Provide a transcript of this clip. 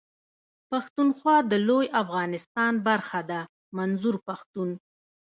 پښتونخوا د لوی افغانستان برخه ده منظور پښتون.